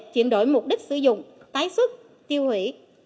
chuyển đổi mục đích sử dụng tái xuất tiêu hủy